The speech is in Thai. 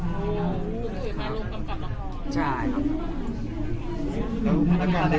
อ๋อภูมิกับพี่อุ๋ยน้อยซีนิมิบุตรครับ